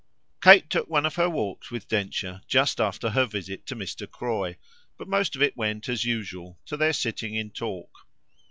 Kate took one of her walks with Densher just after her visit to Mr. Croy; but most of it went, as usual, to their sitting in talk.